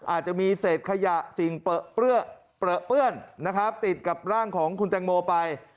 อาจจะมีเศษขยะสิ่งเปลื้อนนะครับติดกับร่างของคุณแตงโมไป